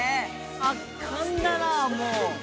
圧巻だなもう。